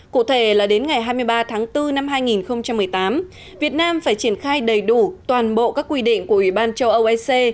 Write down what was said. cụ thể là đến ngày hai mươi ba tháng bốn năm hai nghìn một mươi tám việt nam phải triển khai đầy đủ toàn bộ các quy định của ủy ban châu âu ec